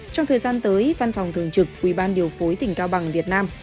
trong thời gian tới văn phòng thường trực quy ban điều phối tỉnh cao bằng việt nam